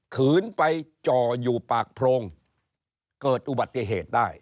ขืนไปจ่ออยู่ปากโพรงเกิดอุบัติเหตุได้